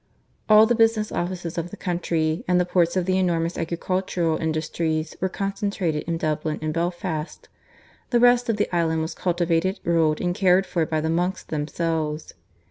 All the business offices of the country and the ports of the enormous agricultural industries were concentrated in Dublin and Belfast; the rest of the island was cultivated, ruled, and cared for by the monks themselves.